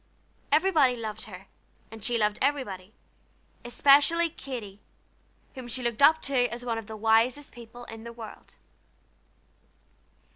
Everybody loved her, and she loved everybody, especially Katy, whom she looked up to as one of the wisest people in the world.